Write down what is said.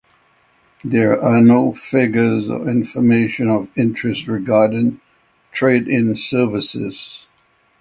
There are no figures or information of interest regarding trade in services.